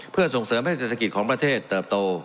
เพื่อส่งเสริมให้เศรษฐกิจของประเทศเติบโต